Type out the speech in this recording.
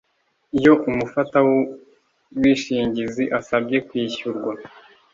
iyo umufatabwishingizi asabye kwishyurwa